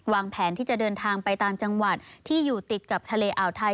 แผนที่จะเดินทางไปตามจังหวัดที่อยู่ติดกับทะเลอ่าวไทย